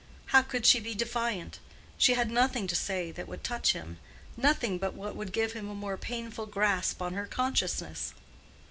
How could she be defiant? She had nothing to say that would touch him—nothing but what would give him a more painful grasp on her consciousness.